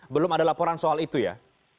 belum ada laporan soal itu ya